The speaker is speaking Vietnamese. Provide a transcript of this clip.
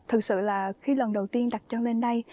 thực sự là khi lần đầu tiên đặt chân lên đây